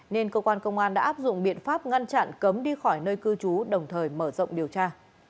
nên cơ quan công an đã áp dụng biện pháp ngăn chặn cấm đi khỏi nơi cư trú đồng thời mở rộng điều tra